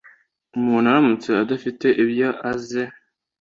Umuntu aramutse adafite ibyo aze